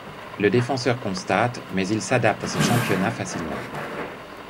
Le défenseur constate mais il s'adapte à ce championnat facilement.